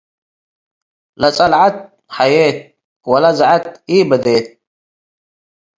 ለጸልዐት ሐዬት ወለዘዐት ኢበዴት።